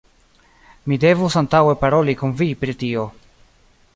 Mi devus antaŭe paroli kun vi pri tio.